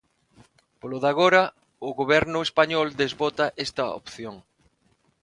Polo de agora, o Goberno español desbota esta opción.